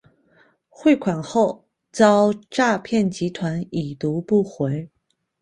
汇款后遭诈骗集团已读不回